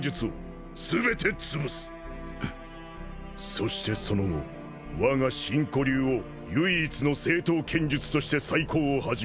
そしてその後わが真古流を唯一の正統剣術として再興を始める。